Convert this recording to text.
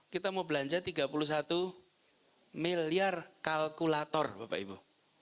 kita mau belanja tiga puluh satu miliar kalkulator bapak ibu